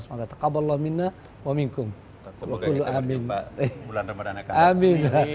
semoga kita semua diterima oleh allah